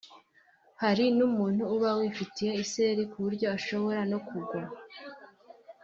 hari n’umuntu uba wifitiye isereri ku buryo ashobora no kugwa